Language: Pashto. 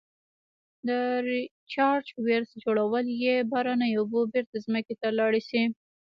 د Recharge wells جوړول چې باراني اوبه بیرته ځمکې ته لاړې شي.